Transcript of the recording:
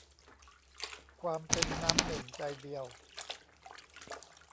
ความเป็นน้ำหนึ่งใจเดียว